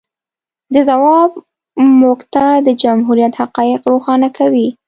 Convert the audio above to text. د ځواب موږ ته د جمهوریت حقایق روښانه کوي.